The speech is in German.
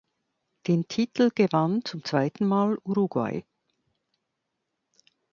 Den Titel gewann zum zweiten Mal Uruguay.